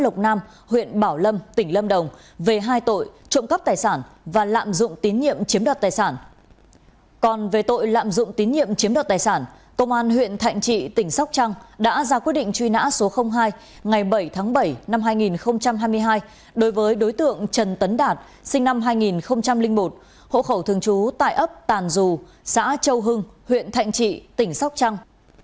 còn về tội lạm dụng tín nhiệm chiếm đoạt tài sản công an huyện thạnh trị tỉnh sóc trăng đã ra quyết định truy nã số hai ngày bảy tháng bảy năm hai nghìn hai mươi hai đối với đối tượng trần tấn đạt sinh năm hai nghìn một hộ khẩu thường trú tài ấp tàn dù xã châu hưng huyện thạnh trị tỉnh sóc trăng